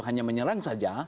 hanya menyerang saja